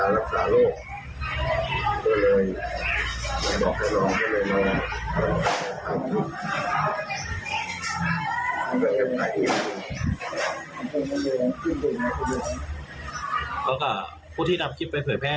และพวกตีนำคลิปเผย